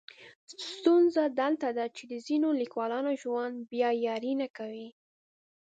ستونزه دلته ده چې د ځینو لیکولانو ژوند بیا یاري نه کوي.